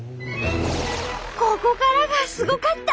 ここからがすごかった！